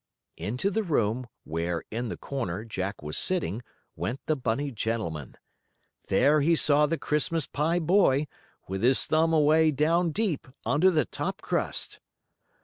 Into the room, where, in the corner, Jack was sitting, went the bunny gentleman. There he saw the Christmas pie boy, with his thumb away down deep under the top crust.